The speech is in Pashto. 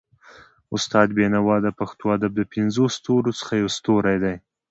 استاد بينوا د پښتو ادب د پنځو ستورو څخه يو ستوری وو.